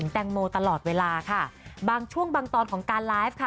แตงโมตลอดเวลาค่ะบางช่วงบางตอนของการไลฟ์ค่ะ